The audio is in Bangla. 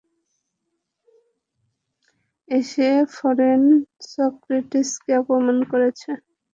এসে ফরেন সেক্রেটারিকে অপমান করেছ।